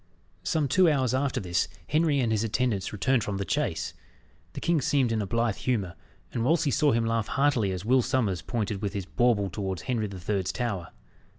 Some two hours after this, Henry and his attendants returned from the chase. The king seemed in a blithe humour, and Wolsey saw him laugh heartily as Will Sommers pointed with his bauble towards Henry the Third's Tower.